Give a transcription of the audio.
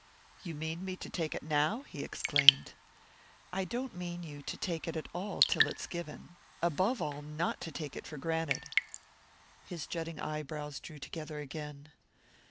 "You mean me to take it now?" he exclaimed. "I don't mean you to take it at all till it's given above all not to take it for granted!" His jutting brows drew together again.